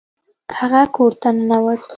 هغه کور ته ننوت.